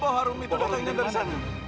bahu harum itu datangnya dari sana